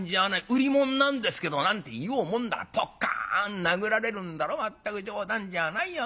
『売り物なんですけど』なんて言おうもんならポッカン殴られるんだろまったく冗談じゃないよ